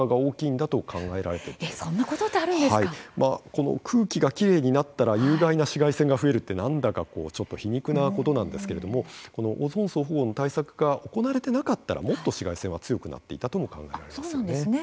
この空気がきれいになったら有害な紫外線が増えるって何だかこうちょっと皮肉なことなんですけれどもこのオゾン層保護の対策が行われてなかったらもっと紫外線は強くなっていたとも考えられますよね。